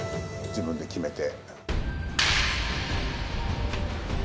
自分で決めて。